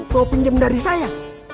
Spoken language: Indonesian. mau pinjam dari saya